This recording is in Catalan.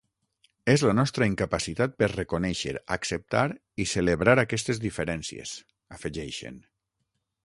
És la nostra incapacitat per reconèixer, acceptar i celebrar aquestes diferències, afegeixen.